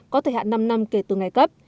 có thời hạn năm năm kể từ ngày cấp